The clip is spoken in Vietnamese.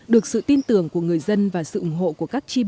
được sự tin tưởng của người dân và sự ủng hộ của các cây trồng